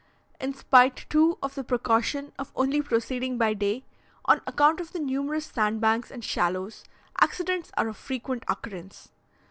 In spite, too, of the precaution of only proceeding by day, on account of the numerous sandbanks and shallows, accidents are of frequent occurrence.